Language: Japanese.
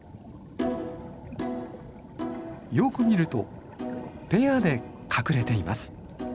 よく見るとペアで隠れています。